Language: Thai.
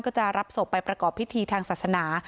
ก็จะรับศพไปประกอบพิธีทางศาสนา